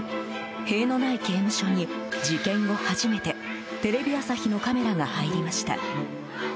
塀のない刑務所に、事件後初めてテレビ朝日のカメラが入りました。